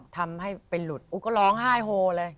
ทำให้เป็นหลุดกูก็ร้องไห้โฮเลย